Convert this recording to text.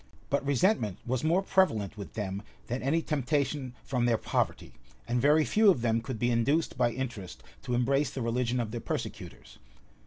But resentment was more prevalent with them than any temptation from their poverty; and very few of them could be induced by interest to embrace the religion of their persecutors.